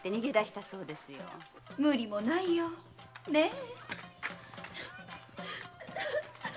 無理もないよねえ。